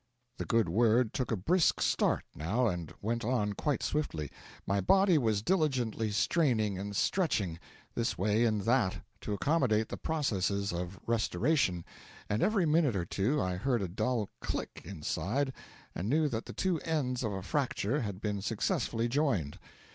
The good word took a brisk start, now, and went on quite swiftly. My body was diligently straining and stretching, this way and that, to accommodate the processes of restoration, and every minute or two I heard a dull click inside and knew that the two ends of a fracture had been successfully joined.